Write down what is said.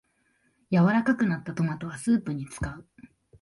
柔らかくなったトマトはスープに使う